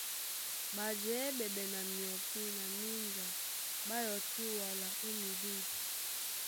Ɓajɛɛ́ ɓɛɓɛ na myɔpí na mínja ɓá yɔkí wala ó midû.